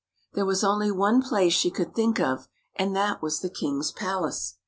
There was only one place she could think of, and that was the king's palace.